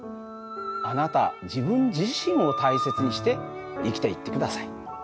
あなた自分自身を大切にして生きていって下さい。